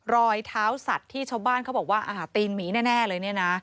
รอยเท้าสัตว์ที่ชาวบ้านเขาบอกว่าอาหารตีนหมีแน่เลยเนี่ยนะ